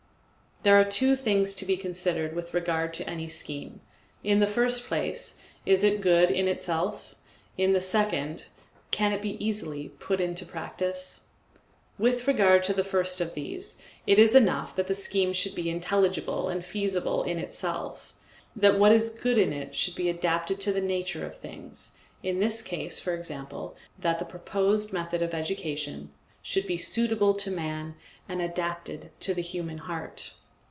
There are two things to be considered with regard to any scheme. In the first place, "Is it good in itself" In the second, "Can it be easily put into practice?" With regard to the first of these it is enough that the scheme should be intelligible and feasible in itself, that what is good in it should be adapted to the nature of things, in this case, for example, that the proposed method of education should be suitable to man and adapted to the human heart.